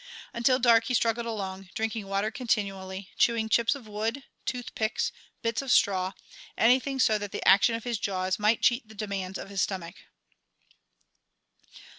Until dark he struggled along, drinking water continually, chewing chips of wood, toothpicks, bits of straw, anything so that the action of his jaws might cheat the demands of his stomach.